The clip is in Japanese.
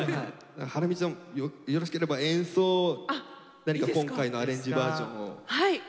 ハラミちゃんよろしければ演奏を何か今回のアレンジバージョンをいいですか？